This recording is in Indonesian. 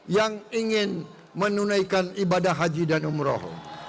yang ingin menunaikan ibadah haji dan umroh